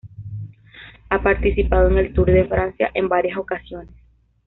Ha participado en el Tour de Francia en varias ocasiones.